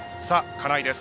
金井です。